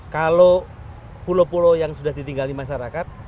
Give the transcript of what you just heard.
kalau pulau pulau yang sudah ditinggali masyarakat